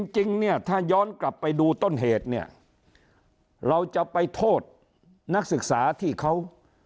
จริงเนี่ยถ้าย้อนกลับไปดูต้นเหตุเนี่ยเราจะไปโทษนักศึกษาที่เขา